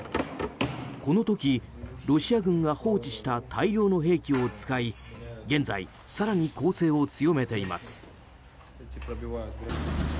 この時、ロシア軍が放置した大量の兵器を使い現在更に攻勢を強めています。